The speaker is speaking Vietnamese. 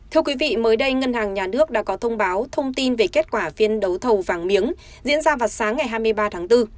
thưa quý vị mới đây ngân hàng nhà nước đã có thông báo thông tin về kết quả phiên đấu thầu vàng miếng diễn ra vào sáng ngày hai mươi ba tháng bốn